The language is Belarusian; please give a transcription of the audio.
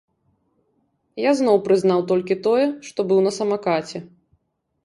Я зноў прызнаў толькі тое, што быў на самакаце.